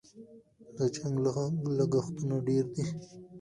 د جنګ لګښتونه ډېر دي.